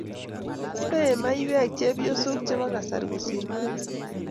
Wee maywek chepyosok chebo kasari kosiir murenik